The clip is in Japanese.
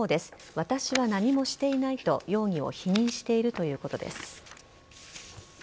私は何もしていないと容疑を否認しているということです。